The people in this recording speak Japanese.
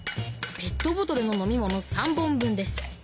ペットボトルの飲み物３本分です。